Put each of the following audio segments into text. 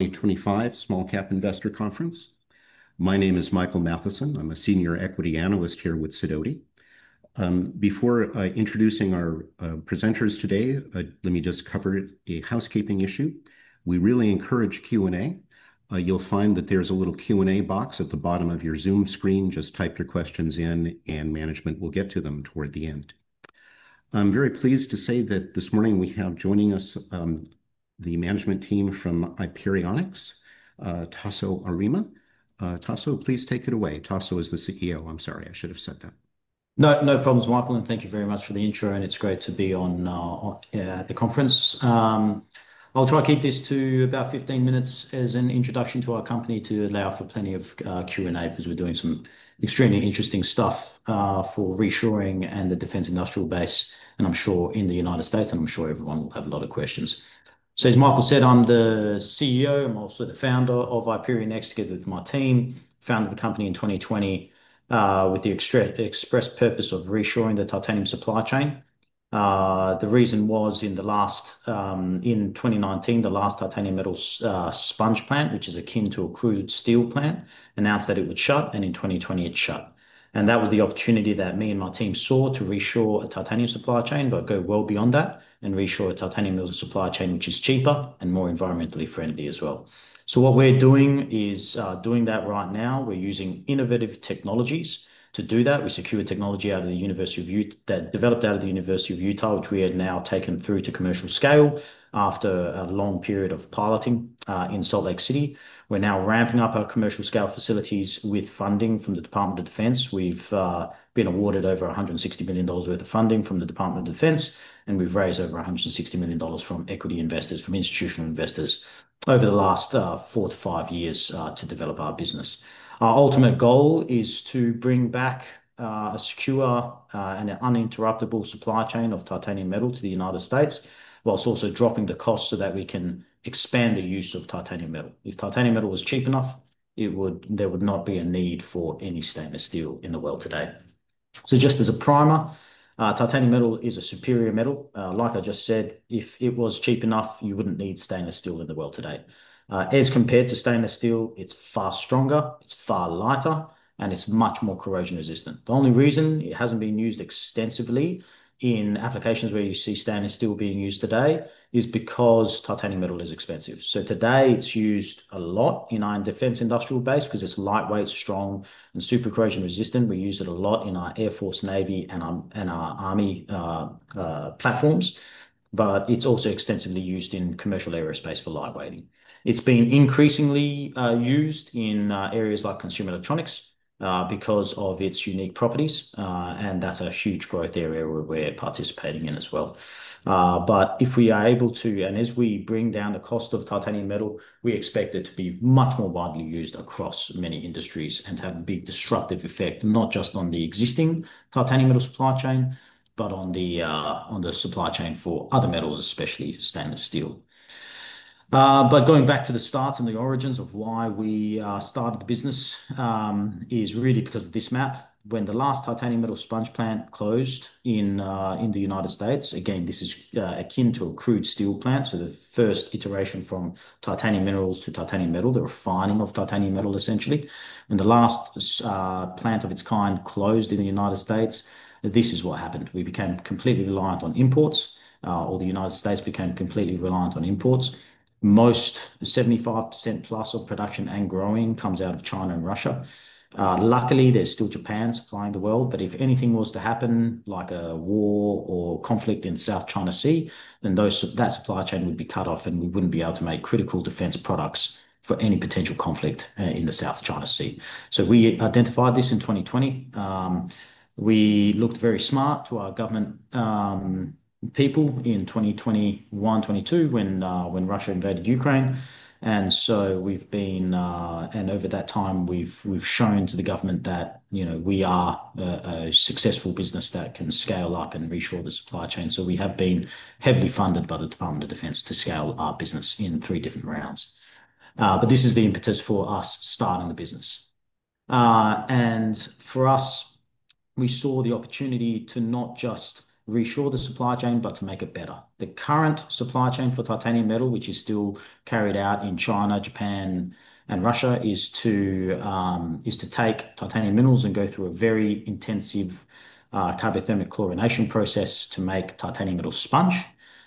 2025 Small Cap Investor Conference. My name is Michael Matheson. I'm a senior equity analyst here with Sidoti. Before introducing our presenters today, let me just cover a housekeeping issue. We really encourage Q&A. You'll find that there's a little Q&A box at the bottom of your Zoom screen. Just type your questions in, and management will get to them toward the end. I'm very pleased to say that this morning we have joining us the management team from IperionX, Taso Arima. Taso, please take it away. Taso is the CEO. I'm sorry, I should have said that. No problems, Michael. Thank you very much for the intro, and it's great to be on the conference. I'll try to keep this to about 15 minutes as an introduction to our company to allow for plenty of Q&A because we're doing some extremely interesting stuff for reassuring the defense industrial base, and I'm sure in the United States, and I'm sure everyone will have a lot of questions. As Michael said, I'm the CEO. I'm also the founder of IperionX together with my team. Founded the company in 2020 with the express purpose of reassuring the titanium supply chain. The reason was in 2019, the last titanium metal sponge plant, which is akin to a crude steel plant, announced that it would shut, and in 2020, it shut. That was the opportunity that me and my team saw to reassure a titanium supply chain, but go well beyond that and reassure a titanium metal supply chain, which is cheaper and more environmentally friendly as well. What we're doing is doing that right now. We're using innovative technologies to do that. We secure technology out of the University of Utah that developed out of the University of Utah, which we have now taken through to commercial scale after a long period of piloting in Salt Lake City. We're now ramping up our commercial scale facilities with funding from the Department of Defense. We've been awarded over $160 million worth of funding from the Department of Defense, and we've raised over $160 million from equity investors, from institutional investors over the last four to five years to develop our business. Our ultimate goal is to bring back a secure and uninterruptible supply chain of titanium metal to the United States, whilst also dropping the cost so that we can expand the use of titanium metal. If titanium metal was cheap enough, there would not be a need for any stainless steel in the world today. Just as a primer, titanium metal is a superior metal. Like I just said, if it was cheap enough, you wouldn't need stainless steel in the world today. As compared to stainless steel, it's far stronger, it's far lighter, and it's much more corrosion resistant. The only reason it hasn't been used extensively in applications where you see stainless steel being used today is because titanium metal is expensive. Today it's used a lot in our defense industrial base because it's lightweight, strong, and super corrosion resistant. We use it a lot in our Air Force, Navy, and our Army platforms, but it's also extensively used in commercial aerospace for lightweighting. It's been increasingly used in areas like consumer electronics because of its unique properties, and that's a huge growth area we're participating in as well. If we are able to, and as we bring down the cost of titanium metal, we expect it to be much more widely used across many industries and to have a big disruptive effect, not just on the existing titanium metal supply chain, but on the supply chain for other metals, especially stainless steel. Going back to the start and the origins of why we started the business is really because of this map. When the last titanium metal sponge plant closed in the United States, again, this is akin to a crude steel plant. The first iteration from titanium minerals to titanium metal, the refining of titanium metal essentially, and the last plant of its kind closed in the United States, this is what happened. We became completely reliant on imports, or the United States became completely reliant on imports. Most 75%+ of production and growing comes out of China and Russia. Luckily, there is still Japan supplying the world, but if anything was to happen, like a war or conflict in the South China Sea, then that supply chain would be cut off and we would not be able to make critical defense products for any potential conflict in the South China Sea. We identified this in 2020. We looked very smart to our government people in 2021, 2022 when Russia invaded Ukraine. We have been, and over that time we have shown to the government that we are a successful business that can scale up and reassure the supply chain. We have been heavily funded by the Department of Defense to scale our business in three different rounds. This is the impetus for us starting the business. For us, we saw the opportunity to not just reassure the supply chain, but to make it better. The current supply chain for titanium metal, which is still carried out in China, Japan, and Russia, is to take titanium minerals and go through a very intensive Kroll chlorination process to make titanium metal sponge.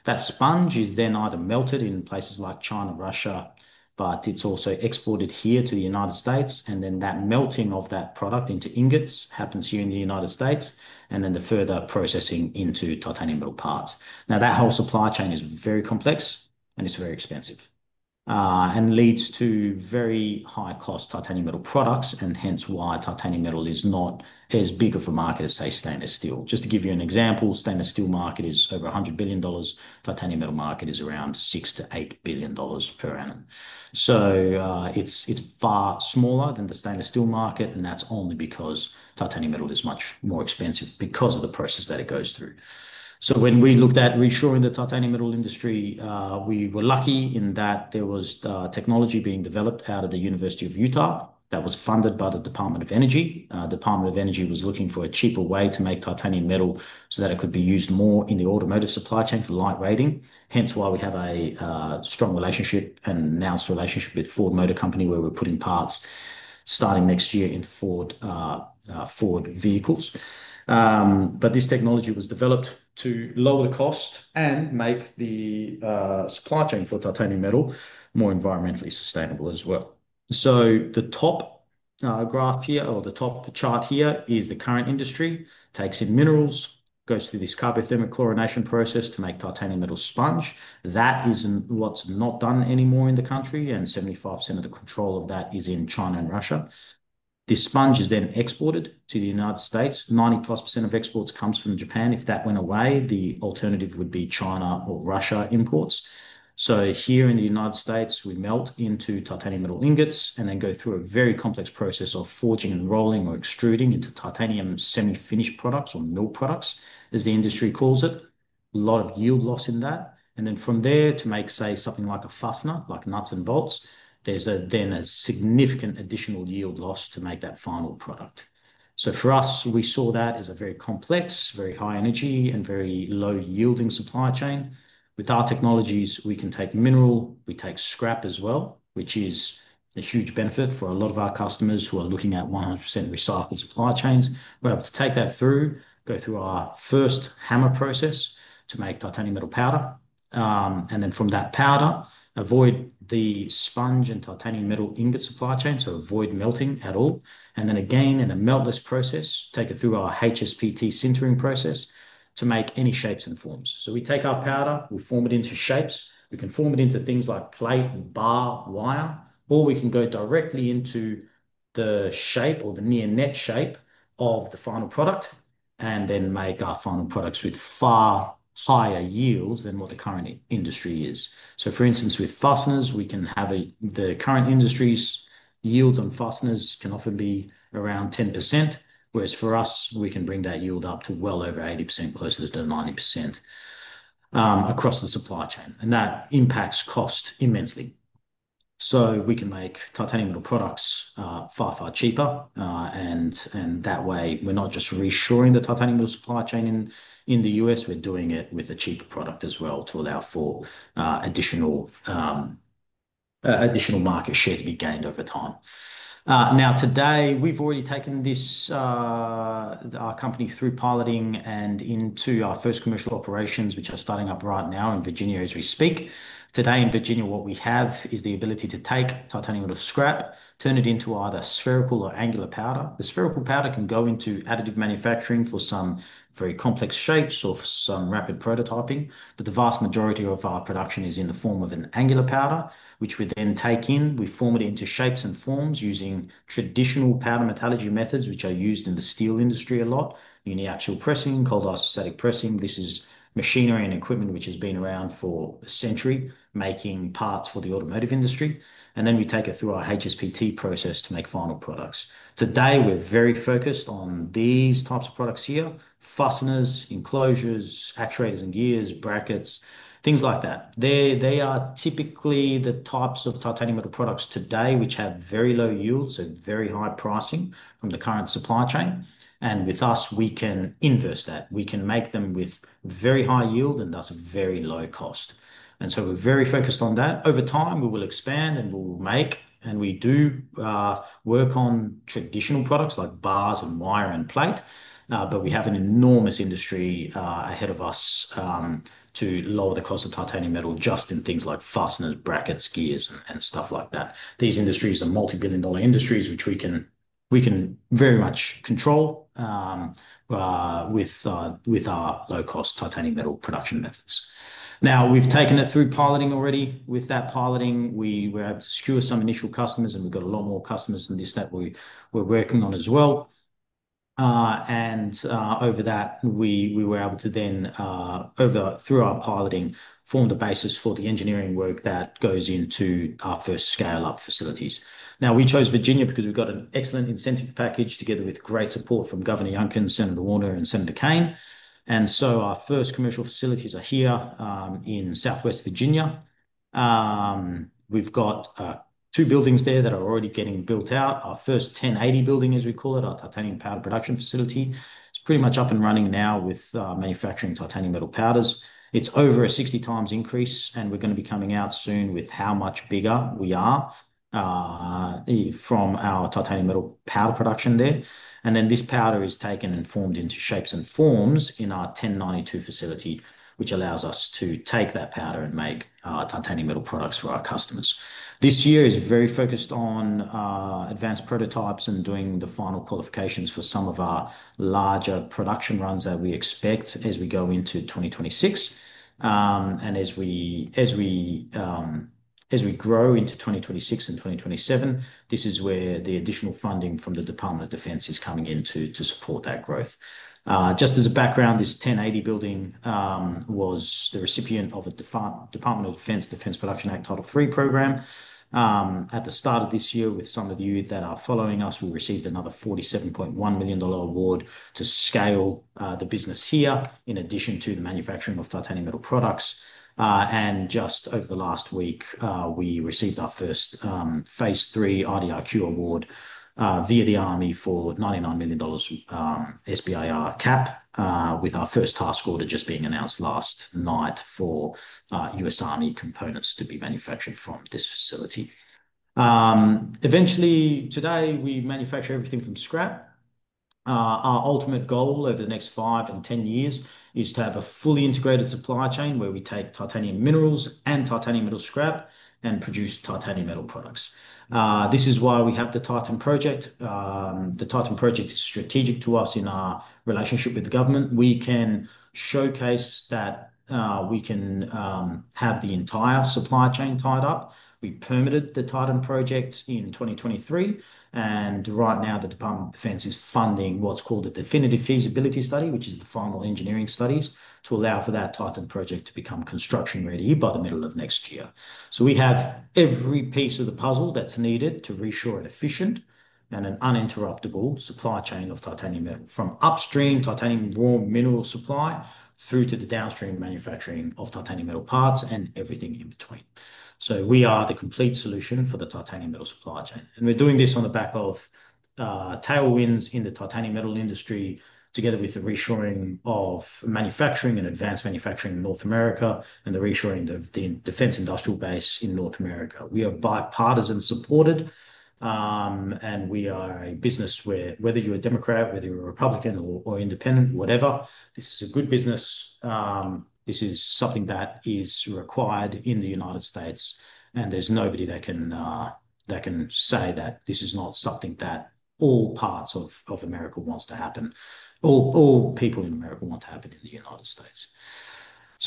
That sponge is then either melted in places like China and Russia, but it is also exported here to the United States. That melting of that product into ingots happens here in the United States, and then the further processing into titanium metal parts. Now that whole supply chain is very complex and it's very expensive and leads to very high cost titanium metal products, and hence why titanium metal is not as big of a market as, say, stainless steel. Just to give you an example, the stainless steel market is over $100 billion. The titanium metal market is around $6 billion-$8 billion per annum. It is far smaller than the stainless steel market, and that's only because titanium metal is much more expensive because of the process that it goes through. When we looked at reassuring the titanium metal industry, we were lucky in that there was technology being developed out of the University of Utah that was funded by the Department of Energy. The Department of Energy was looking for a cheaper way to make titanium metal so that it could be used more in the automotive supply chain for lightweighting. Hence why we have a strong relationship and now a relationship with Ford Motor Company, where we're putting parts starting next year into Ford vehicles. But this technology was developed to lower the cost and make the supply chain for titanium metal more environmentally sustainable as well. The top graph here, or the top chart here, is the current industry. It takes in minerals, goes through this cryothermique chlorination process to make titanium metal sponge. That is what's not done anymore in the country, and 75% of the control of that is in China and Russia. This sponge is then exported to the United States. 90%+ of exports comes from Japan. If that went away, the alternative would be China or Russia imports. Here in the United States, we melt into titanium metal ingots and then go through a very complex process of forging and rolling or extruding into titanium semi-finished products or mill products, as the industry calls it. There is a lot of yield loss in that. From there, to make, say, something like a fastener, like nuts and bolts, there is then a significant additional yield loss to make that final product. For us, we saw that as a very complex, very high energy, and very low yielding supply chain. With our technologies, we can take mineral, we take scrap as well, which is a huge benefit for a lot of our customers who are looking at 100% recycled supply chains. We're able to take that through, go through our first hammer process to make titanium metal powder, and then from that powder, avoid the sponge and titanium metal ingot supply chain, so avoid melting at all. In a meltless process, take it through our HSPT sintering process to make any shapes and forms. We take our powder, we form it into shapes. We can form it into things like plate, bar, wire, or we can go directly into the shape or the near net shape of the final product and then make our final products with far higher yields than what the current industry is. For instance, with fasteners, the current industry's yields on fasteners can often be around 10%, whereas for us, we can bring that yield up to well over 80%, closer to 90% across the supply chain. That impacts cost immensely. We can make titanium metal products far, far cheaper. That way, we're not just reassuring the titanium metal supply chain in the U.S., we're doing it with a cheaper product as well to allow for additional market share to be gained over time. Today, we've already taken our company through piloting and into our first commercial operations, which are starting up right now in Virginia as we speak. Today in Virginia, what we have is the ability to take titanium out of scrap, turn it into either spherical or angular powder. The spherical powder can go into additive manufacturing for some very complex shapes or some rapid prototyping. The vast majority of our production is in the form of an angular powder, which we then take in. We form it into shapes and forms using traditional powder metallurgy methods, which are used in the steel industry a lot, uniaxial pressing, cold isostatic pressing. This is machinery and equipment which has been around for a century, making parts for the automotive industry. We take it through our HSPT process to make final products. Today, we're very focused on these types of products here: fasteners, enclosures, actuators and gears, brackets, things like that. They are typically the types of titanium metal products today which have very low yields and very high pricing from the current supply chain. With us, we can inverse that. We can make them with very high yield and thus very low cost. We're very focused on that. Over time, we will expand and we will make, and we do work on traditional products like bars and wire and plate. We have an enormous industry ahead of us to lower the cost of titanium metal just in things like fasteners, brackets, gears, and stuff like that. These industries are multi-billion dollar industries, which we can very much control with our low cost titanium metal production methods. Now we've taken it through piloting already. With that piloting, we were able to secure some initial customers, and we've got a lot more customers than this that we're working on as well. Over that, we were able to then, through our piloting, form the basis for the engineering work that goes into our first scale-up facilities. We chose Virginia because we've got an excellent incentive package together with great support from Governor Youngkin, Senator Warner, and Senator Kaine. Our first commercial facilities are here in southwest Virginia. We've got two buildings there that are already getting built out. Our first 1080 building, as we call it, our titanium powder production facility, it's pretty much up and running now with manufacturing titanium metal powders. It's over a 60x increase, and we're going to be coming out soon with how much bigger we are from our titanium metal powder production there. This powder is taken and formed into shapes and forms in our 1092 facility, which allows us to take that powder and make titanium metal products for our customers. This year is very focused on advanced prototypes and doing the final qualifications for some of our larger production runs that we expect as we go into 2026. As we grow into 2026 and 2027, this is where the additional funding from the Department of Defense is coming in to support that growth. Just as a background, this 1080 building was the recipient of a Department of Defense Defense Production Act Title III program. At the start of this year, with some of you that are following us, we received another $47.1 million award to scale the business here in addition to the manufacturing of titanium metal products. Just over the last week, we received our first phase III RDRQ award via the Army for $99 million SBIR cap, with our first task order just being announced last night for U.S. Army components to be manufactured from this facility. Eventually, today, we manufacture everything from scrap. Our ultimate goal over the next five and ten years is to have a fully integrated supply chain where we take titanium minerals and titanium metal scrap and produce titanium metal products. This is why we have the Titan Project. The Titan Project is strategic to us in our relationship with the government. We can showcase that we can have the entire supply chain tied up. We permitted the Titan Project in 2023. Right now, the Department of Defense is funding what's called a definitive feasibility study, which is the final engineering studies, to allow for that Titan Project to become construction ready by the middle of next year. We have every piece of the puzzle that's needed to reassure an efficient and an uninterruptible supply chain of titanium metal, from upstream titanium raw mineral supply through to the downstream manufacturing of titanium metal parts and everything in between. We are the complete solution for the titanium metal supply chain. We're doing this on the back of tailwinds in the titanium metal industry, together with the reshoring of manufacturing and advanced manufacturing in North America and the reshoring of the defense industrial base in North America. We are bipartisan supported, and we are a business where, whether you're a Democrat, whether you're a Republican or independent, whatever, this is a good business. This is something that is required in the United States, and there's nobody that can say that this is not something that all parts of America want to happen. All people in America want to happen in the United States.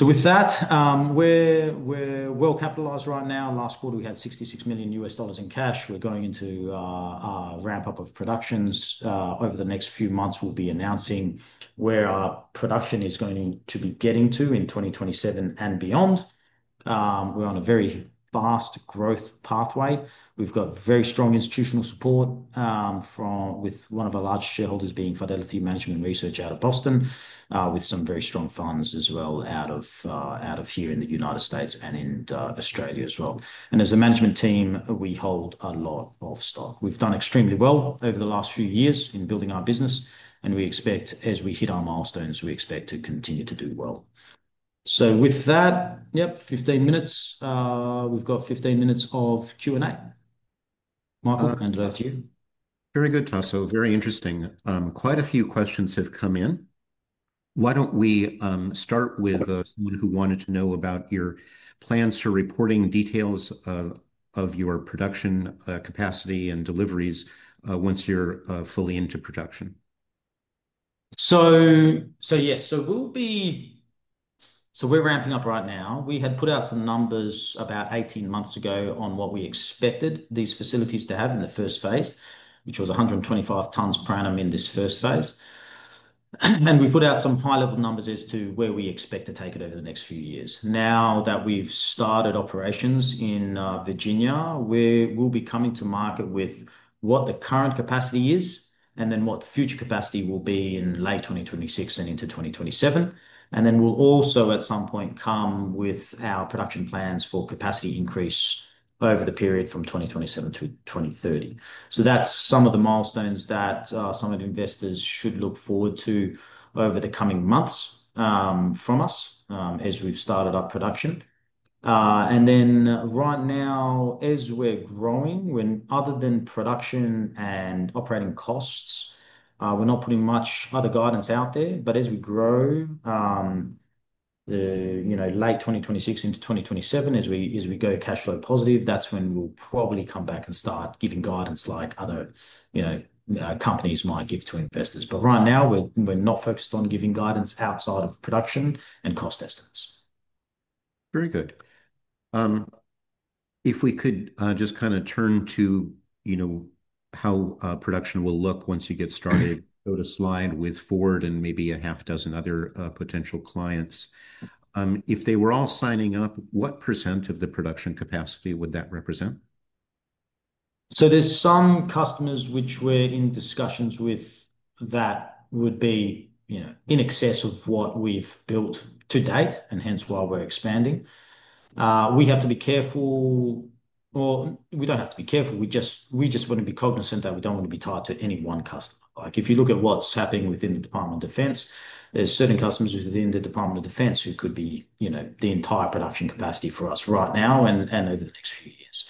With that, we're well capitalized right now. Last quarter, we had $66 million in cash. We're going into a ramp-up of productions. Over the next few months, we'll be announcing where our production is going to be getting to in 2027 and beyond. We're on a very fast growth pathway. We've got very strong institutional support with one of our large shareholders being Fidelity Management Research out of Boston, with some very strong funds as well out of here in the United States and in Australia as well. As a management team, we hold a lot of stock. We've done extremely well over the last few years in building our business, and we expect, as we hit our milestones, we expect to continue to do well. With that, yep, 15 minutes. We've got 15 minutes of Q&A. Michael hand, over to you. Very good. Very interesting. Quite a few questions have come in. Why don't we start with someone who wanted to know about your plans for reporting details of your production capacity and deliveries once you're fully into production? Yes, we're ramping up right now. We had put out some numbers about 18 months ago on what we expected these facilities to have in the first phase, which was 125 tons per annum in this first phase. We put out some high-level numbers as to where we expect to take it over the next few years. Now that we've started operations in Virginia, we'll be coming to market with what the current capacity is and then what the future capacity will be in late 2026 and into 2027. We'll also at some point come with our production plans for capacity increase over the period from 2027-2030. That's some of the milestones that some of the investors should look forward to over the coming months from us as we've started up production. Right now, as we're growing, other than production and operating costs, we're not putting much other guidance out there. As we grow, late 2026 into 2027, as we go cash flow positive, that's when we'll probably come back and start giving guidance like other companies might give to investors. Right now, we're not focused on giving guidance outside of production and cost estimates. Very good. If we could just kind of turn to how production will look once you get started, go to slide with Ford and maybe 1/2 dozen other potential clients. If they were all signing up, what percentage of the production capacity would that represent? There are some customers which we're in discussions with that would be in excess of what we've built to date, and hence why we're expanding. We have to be careful, or we don't have to be careful. We just want to be cognizant that we don't want to be tied to any one customer. If you look at what's happening within the Department of Defense, there are certain customers within the Department of Defense who could be the entire production capacity for us right now and over the next few years.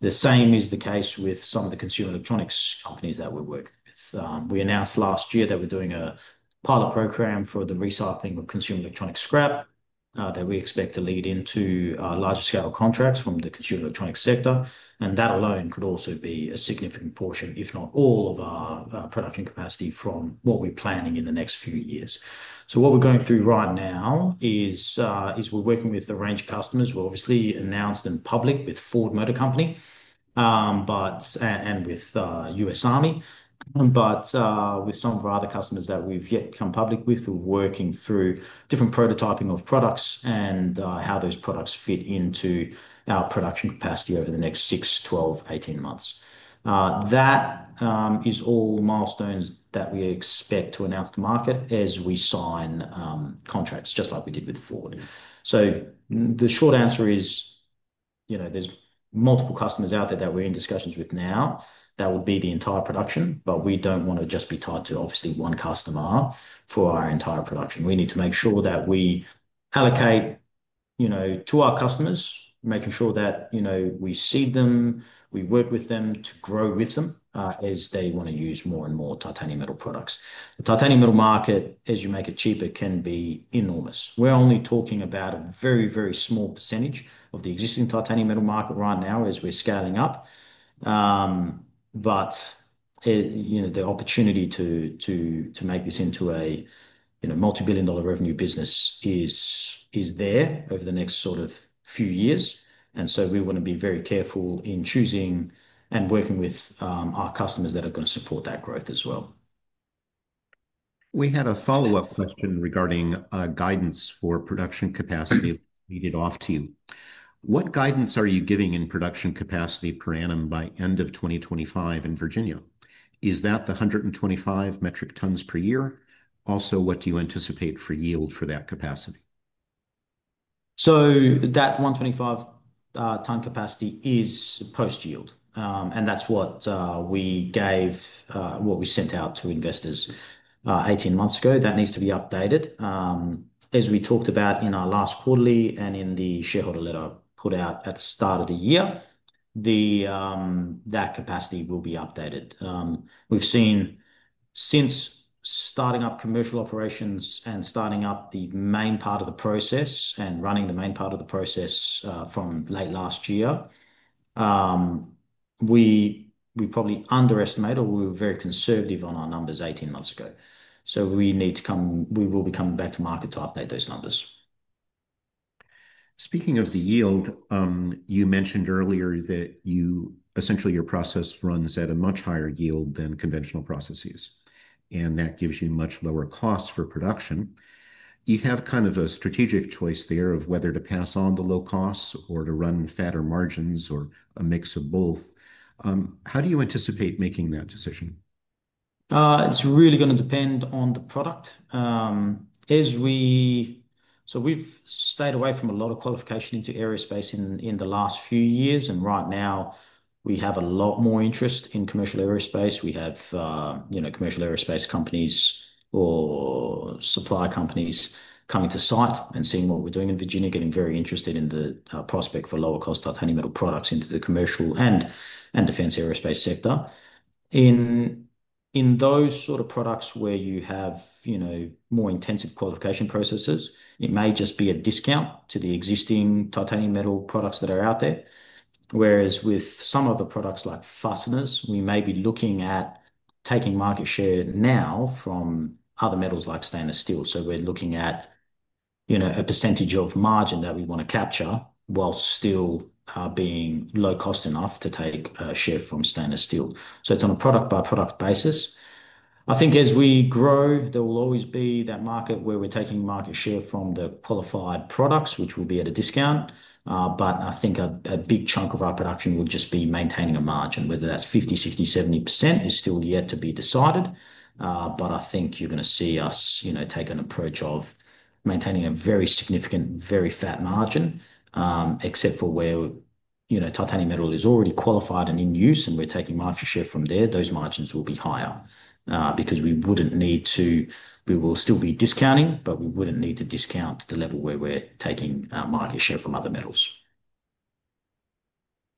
The same is the case with some of the consumer electronics companies that we're working with. We announced last year that we're doing a pilot program for the recycling of consumer electronic scrap that we expect to lead into larger scale contracts from the consumer electronics sector. That alone could also be a significant portion, if not all, of our production capacity from what we're planning in the next few years. What we're going through right now is we're working with a range of customers. We've obviously announced in public with Ford Motor Company and with U.S. Army, but with some of our other customers that we've yet become public with, we're working through different prototyping of products and how those products fit into our production capacity over the next six, 12, 18 months. That is all milestones that we expect to announce to market as we sign contracts, just like we did with Ford. The short answer is there's multiple customers out there that we're in discussions with now that would be the entire production, but we don't want to just be tied to obviously one customer for our entire production. We need to make sure that we allocate to our customers, making sure that we see them, we work with them to grow with them as they want to use more and more titanium metal products. The titanium metal market, as you make it cheaper, can be enormous. We're only talking about a very, very small percentage of the existing titanium metal market right now as we're scaling up. The opportunity to make this into a multi-billion dollar revenue business is there over the next sort of few years. We want to be very careful in choosing and working with our customers that are going to support that growth as well. We had a follow-up question regarding guidance for production capacity. I'll read it off to you. What guidance are you giving in production capacity per annum by end of 2025 in Virginia? Is that the 125 metric tons per year? Also, what do you anticipate for yield for that capacity? That 125-ton capacity is post-yield. That's what we gave, what we sent out to investors 18 months ago. That needs to be updated. As we talked about in our last quarterly and in the shareholder letter I put out at the start of the year, that capacity will be updated. We've seen since starting up commercial operations and starting up the main part of the process and running the main part of the process from late last year, we probably underestimated or we were very conservative on our numbers 18 months ago. So we need to come, we will be coming back to market to update those numbers. Speaking of the yield, you mentioned earlier that essentially your process runs at a much higher yield than conventional processes, and that gives you much lower costs for production. You have kind of a strategic choice there of whether to pass on the low costs or to run fatter margins or a mix of both. How do you anticipate making that decision? It's really going to depend on the product. We've stayed away from a lot of qualification into aerospace in the last few years. Right now, we have a lot more interest in commercial aerospace. We have commercial aerospace companies or supply companies coming to site and seeing what we're doing in Virginia, getting very interested in the prospect for lower-cost titanium metal products into the commercial and defense aerospace sector. In those sort of products where you have more intensive qualification processes, it may just be a discount to the existing titanium metal products that are out there. Whereas with some of the products like fasteners, we may be looking at taking market share now from other metals like stainless steel. We're looking at a percentage of margin that we want to capture while still being low-cost enough to take a share from stainless steel. It's on a product-by-product basis. I think as we grow, there will always be that market where we're taking market share from the qualified products, which will be at a discount. I think a big chunk of our production will just be maintaining a margin. Whether that's 50%, 60%, 70% is still yet to be decided. I think you're going to see us take an approach of maintaining a very significant, very fat margin, except for where titanium metal is already qualified and in use, and we're taking market share from there. Those margins will be higher because we wouldn't need to, we will still be discounting, but we wouldn't need to discount to the level where we're taking market share from other metals.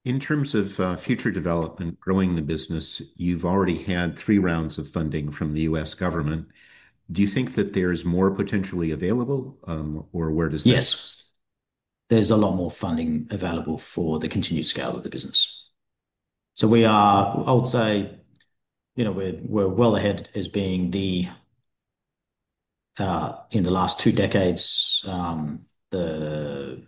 In terms of future development, growing the business, you've already had three rounds of funding from the US government. Do you think that there is more potentially available, or where does that? Yes. There's a lot more funding available for the continued scale of the business. I would say we're well ahead as being the, in the last two decades, the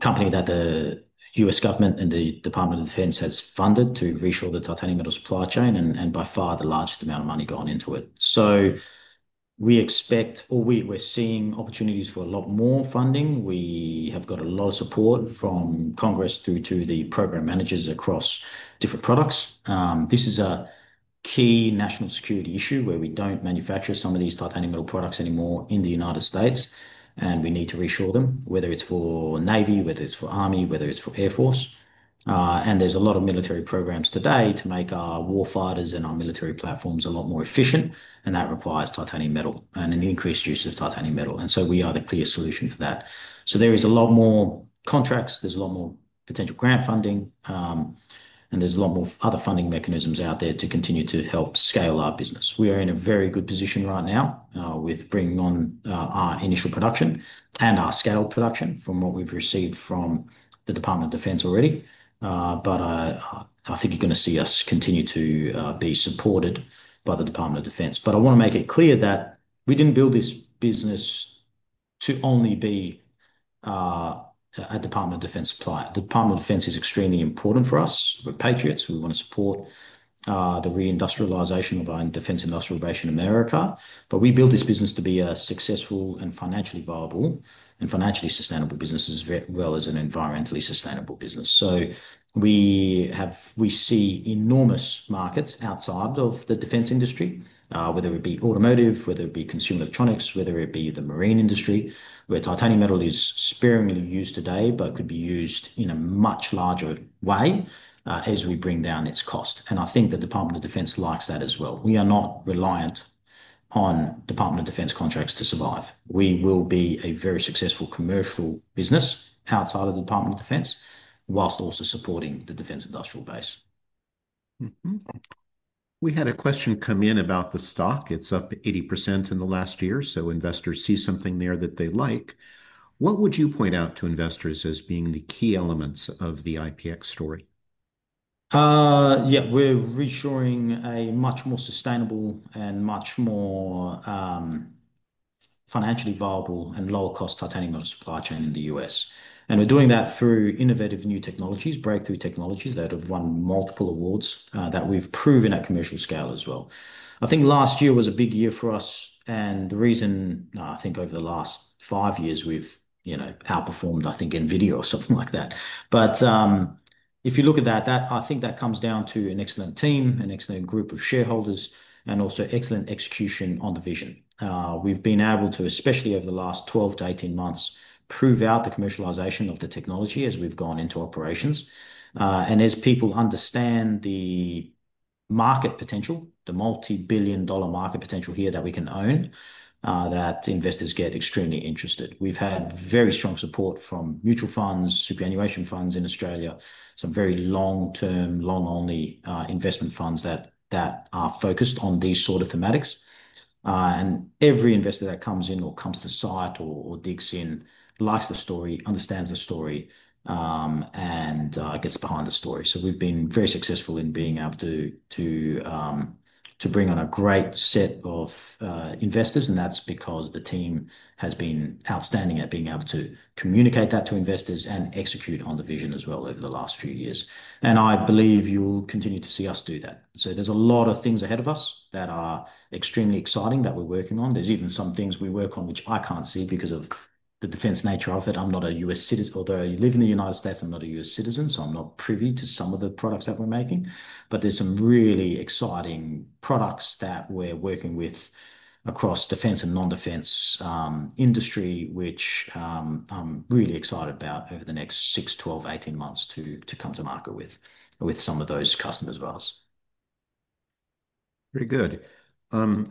company that the U.S. government and the Department of Defense has funded to reassure the titanium metal supply chain and by far the largest amount of money gone into it. We expect, or we're seeing opportunities for a lot more funding. We have got a lot of support from Congress through to the program managers across different products. This is a key national security issue where we don't manufacture some of these titanium metal products anymore in the United States, and we need to reassure them, whether it's for Navy, whether it's for Army, whether it's for Air Force. There's a lot of military programs today to make our war fighters and our military platforms a lot more efficient, and that requires titanium metal and an increased use of titanium metal. We are the clear solution for that. There is a lot more contracts. There is a lot more potential grant funding, and there is a lot more other funding mechanisms out there to continue to help scale our business. We are in a very good position right now with bringing on our initial production and our scaled production from what we've received from the Department of Defense already. I think you're going to see us continue to be supported by the Department of Defense. I want to make it clear that we didn't build this business to only be a Department of Defense supplier. The Department of Defense is extremely important for us. We're patriots. We want to support the reindustrialization of our defense industrial base in America. We built this business to be a successful and financially viable and financially sustainable business as well as an environmentally sustainable business. We see enormous markets outside of the defense industry, whether it be automotive, whether it be consumer electronics, whether it be the marine industry, where titanium metal is sparingly used today, but could be used in a much larger way as we bring down its cost. I think the Department of Defense likes that as well. We are not reliant on Department of Defense contracts to survive. We will be a very successful commercial business outside of the Department of Defense whilst also supporting the defense industrial base. We had a question come in about the stock. It is up 80% in the last year. Investors see something there that they like. What would you point out to investors as being the key elements of the IPX story? Yeah, we're reassuring a much more sustainable and much more financially viable and lower-cost titanium metal supply chain in the U.S. We're doing that through innovative new technologies, breakthrough technologies that have won multiple awards that we've proven at commercial scale as well. I think last year was a big year for us. The reason, I think over the last five years, we've outperformed, I think, NVIDIA or something like that. If you look at that, I think that comes down to an excellent team, an excellent group of shareholders, and also excellent execution on the vision. We've been able to, especially over the last 12 months-18 months, prove out the commercialization of the technology as we've gone into operations. As people understand the market potential, the multi-billion dollar market potential here that we can own, investors get extremely interested. We've had very strong support from mutual funds, superannuation funds in Australia, some very long-term, long-only investment funds that are focused on these sort of thematics. Every investor that comes in or comes to site or digs in likes the story, understands the story, and gets behind the story. We've been very successful in being able to bring on a great set of investors. That's because the team has been outstanding at being able to communicate that to investors and execute on the vision as well over the last few years. I believe you'll continue to see us do that. There are a lot of things ahead of us that are extremely exciting that we're working on. There's even some things we work on which I can't see because of the defense nature of it. I'm not a U.S. citizen, although I live in the United States. I'm not a U.S. citizen, so I'm not privy to some of the products that we're making. There's some really exciting products that we're working with across defense and non-defense industry, which I'm really excited about over the next six, 12, 18 months to come to market with some of those customers of ours. Very good.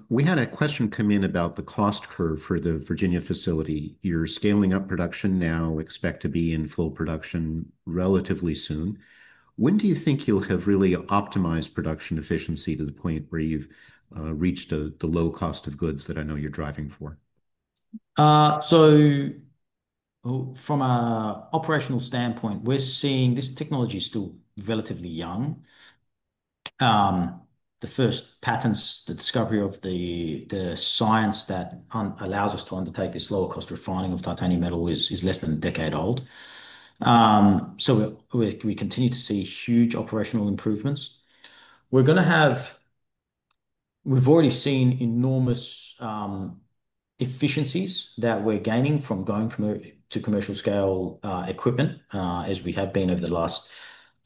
We had a question come in about the cost curve for the Virginia facility. You're scaling up production now, expect to be in full production relatively soon. When do you think you'll have really optimized production efficiency to the point where you've reached the low cost of goods that I know you're driving for? From an operational standpoint, we're seeing this technology is still relatively young. The first patents, the discovery of the science that allows us to undertake this lower-cost refining of titanium metal is less than a decade old. We continue to see huge operational improvements. We're going to have, we've already seen enormous efficiencies that we're gaining from going to commercial scale equipment as we have been over the last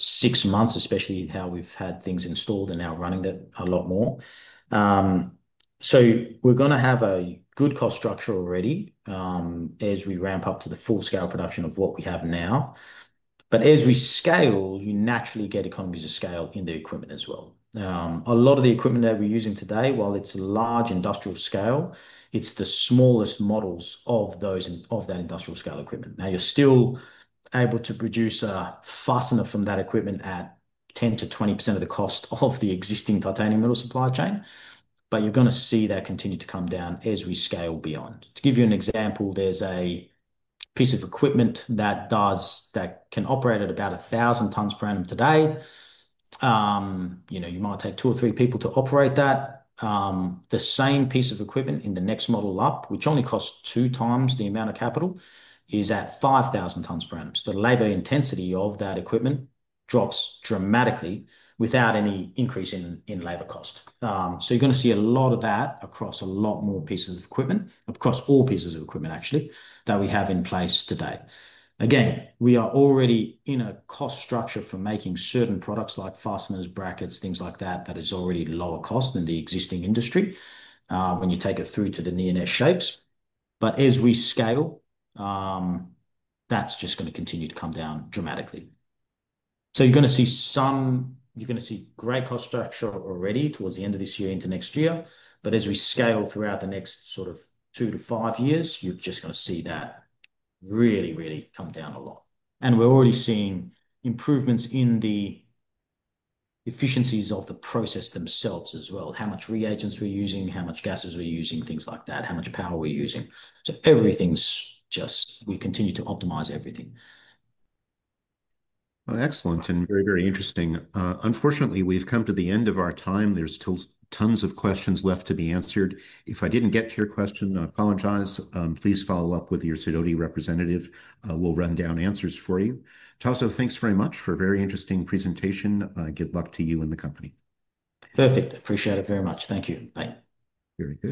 six months, especially how we've had things installed and now running that a lot more. We're going to have a good cost structure already as we ramp up to the full-scale production of what we have now. As we scale, you naturally get economies of scale in the equipment as well. A lot of the equipment that we're using today, while it's large industrial scale, it's the smallest models of that industrial scale equipment. Now, you're still able to produce a fastener from that equipment at 10%-20% of the cost of the existing titanium metal supply chain. You're going to see that continue to come down as we scale beyond. To give you an example, there's a piece of equipment that can operate at about 1,000 tons per annum today. You might take two or three people to operate that. The same piece of equipment in the next model up, which only costs two times the amount of capital, is at 5,000 tons per annum. The labor intensity of that equipment drops dramatically without any increase in labor cost. You're going to see a lot of that across a lot more pieces of equipment, across all pieces of equipment, actually, that we have in place today. Again, we are already in a cost structure for making certain products like fasteners, brackets, things like that, that is already lower cost than the existing industry when you take it through to the near-net shapes. As we scale, that's just going to continue to come down dramatically. You're going to see great cost structure already towards the end of this year into next year. As we scale throughout the next sort of two-five years, you're just going to see that really, really come down a lot. We're already seeing improvements in the efficiencies of the process themselves as well, how much reagents we're using, how much gases we're using, things like that, how much power we're using. Everything's just, we continue to optimize everything. Excellent and very, very interesting. Unfortunately, we've come to the end of our time. There's still tons of questions left to be answered. If I didn't get to your question, I apologize. Please follow up with your Sidoti representative. We'll run down answers for you. Taso, thanks very much for a very interesting presentation. Good luck to you and the company. Perfect. Appreciate it very much. Thank you. Bye. Very good.